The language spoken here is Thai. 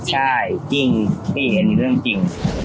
ใช่จริงพี่เรื่องจริง